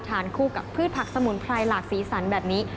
คู่กับพืชผักสมุนไพรหลากสีสันแบบนี้